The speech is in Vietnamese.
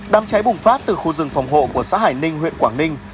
đám cháy bùng phát từ khu rừng phòng hộ của xã hải ninh huyện quảng ninh